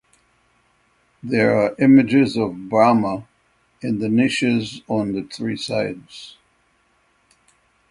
There are images of Brahma in the niches on the three sides.